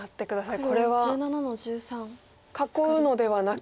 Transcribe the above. これは囲うのではなく。